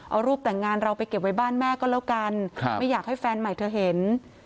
เอารูปแต่งงานเราไปเก็บไว้บ้านแม่ก็แล้วกันไม่อยากให้แฟนใหม่เธอเห็น